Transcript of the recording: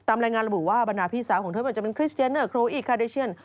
ตามแรงงานระบุว่าบรรทาภี่สาวของเธอมันกระแจกระเมิดเจ้าของเมียตาของเจ้า